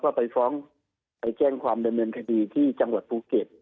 ก็ไปฟ้องไปแจ้งความดำเนินคดีที่จังหวัดภูเก็ต